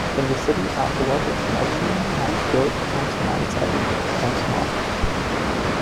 In the city, after Washington Avenue, Niles Road becomes Niles Avenue and turns north.